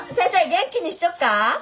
元気にしちょっか？